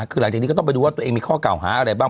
คือหลังจากนี้ก็ต้องไปดูว่าตัวเองมีข้อเก่าหาอะไรบ้าง